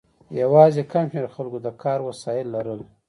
یوازې کم شمیر خلکو د کار سم وسایل لرل.